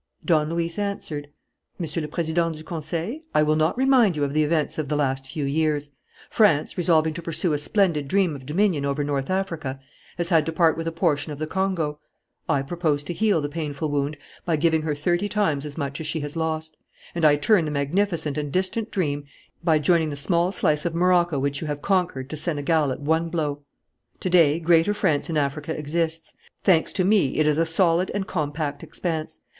Don Luis answered: "Monsieur le Président du Conseil, I will not remind you of the events of the last few years. France, resolving to pursue a splendid dream of dominion over North Africa, has had to part with a portion of the Congo. I propose to heal the painful wound by giving her thirty times as much as she has lost. And I turn the magnificent and distant dream into an immediate certainty by joining the small slice of Morocco which you have conquered to Senegal at one blow. "To day, Greater France in Africa exists. Thanks to me, it is a solid and compact expanse.